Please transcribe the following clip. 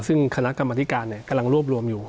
ซึ่งคณะกรรมธิการกำลังรวบรวมอยู่